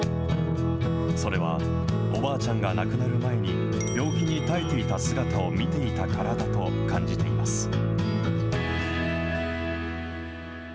それは、おばあちゃんが亡くなる前に、病気に耐えていた姿を見ていたからだと感じています。